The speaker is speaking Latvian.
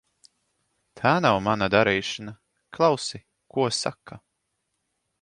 Tā nav mana darīšana. Klausi, ko saka.